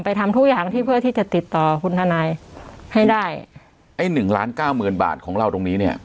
ทำทุกอย่างที่เพื่อที่จะติดต่อคุณทนายให้ได้ไอ้หนึ่งล้านเก้าหมื่นบาทของเราตรงนี้เนี่ย